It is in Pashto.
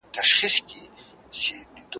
د هغو کسانو په زړونو ,